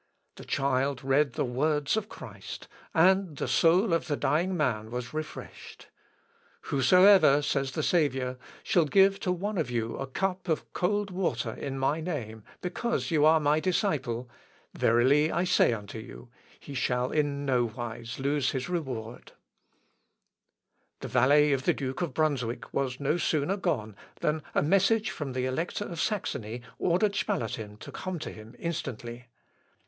The child read the words of Christ, and the soul of the dying man was refreshed. "Whosoever," says the Saviour, "_shall give to one of you a cup of cold water in my name, because you are my disciple, verily I say unto you, he shall in no wise lose his reward_." Also gidencke seiner unser Herr Christus in seinem letzten Kampff. (Seck. p. 354.) The valet of the Duke of Brunswick was no sooner gone than a message from the Elector of Saxony ordered Spalatin to come to him instantly.